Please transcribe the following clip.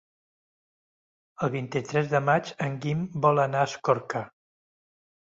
El vint-i-tres de maig en Guim vol anar a Escorca.